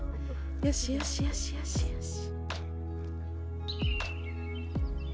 よしよしよしよしよし。